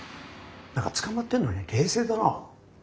何か捕まってるのに冷静だな。